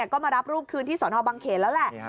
ก็มารับลูกคืนที่สอนอบังเขนแล้วแหละ